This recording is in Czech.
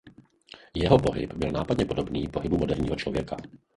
Jeho pohyb byl nápadně podobný pohybu moderního člověka.